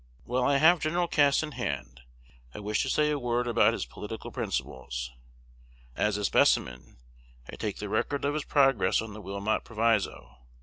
While I have Gen. Cass in hand, I wish to say a word about his political principles. As a specimen, I take the record of his progress on the Wilmot Proviso.